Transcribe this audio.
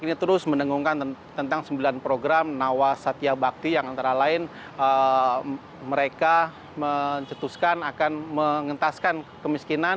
ini terus mendengungkan tentang sembilan program nawa satya bakti yang antara lain mereka mencetuskan akan mengentaskan kemiskinan